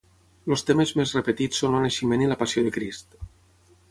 Els temes més repetits són el naixement i la Passió de Crist.